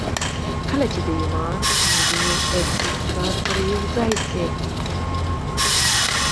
کله چې د ايمان او مينې احساسات سره يو ځای شي.